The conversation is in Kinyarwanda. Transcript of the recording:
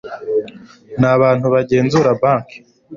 n abantu bagenzura banki